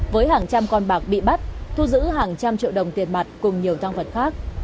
với hàng trăm con bạc bị bắt thu giữ hàng trăm triệu đồng tiền mặt cùng nhiều tăng vật khác